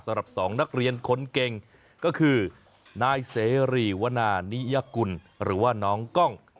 สำหรับ๒นักเรียนคนเก่งก็คือนายเสรีวนานิยกุลหรือว่าน้องกล้อง